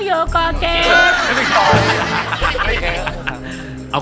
ป๋อบ